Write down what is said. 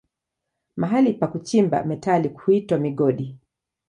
Mahali pa kuchimba metali huitwa migodi.